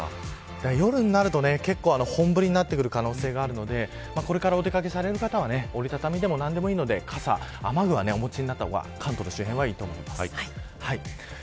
夜になると、結構本降りになる可能性があるのでこれからお出掛けされる方は折り畳みでもなんでもいいので雨具をお持ちになった方がいいと思います。